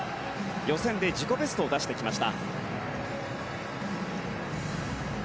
予選で自己ベストを出してきました。